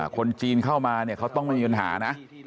คนจีนเข้ามาเขาต้องมีปัญหานะ